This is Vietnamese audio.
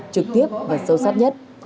trực tiếp và sâu sát nhất